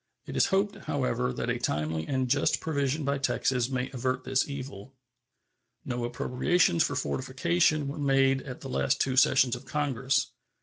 It is hoped, however, that a timely and just provision by Texas may avert this evil. No appropriations for fortifications were made at the two last sessions of Congress.